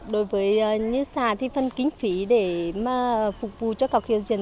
đối với như sa thì phần kinh phí để phục vụ cho các khíu diễn